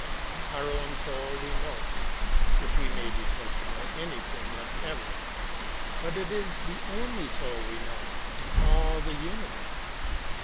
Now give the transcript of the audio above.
Our own soul we know, if we may be said to know anything whatever, but it is the only soul we know in all the universe.